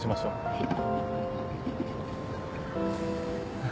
はい。